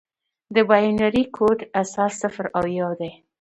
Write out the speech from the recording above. د بایونري کوډ اساس صفر او یو دي.